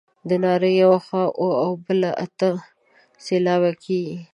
د نارې یوه خوا اووه او بله اته سېلابه کیږي.